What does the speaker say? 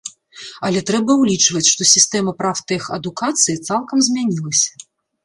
Але трэба ўлічваць, што сістэма прафтэхадукацыі цалкам змянілася.